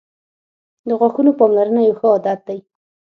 • د غاښونو پاملرنه یو ښه عادت دی.